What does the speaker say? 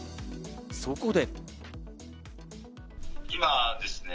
そこで。